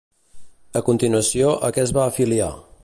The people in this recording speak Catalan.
A continuació, a què es va afiliar?